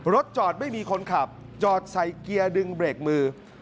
รถจอดไม่มีคนขับจอดใส่เกียร์ดึงเบรกมือ